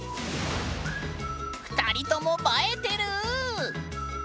２人とも映えてる。